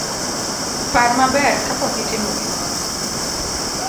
Par maber kapok itimo gimoro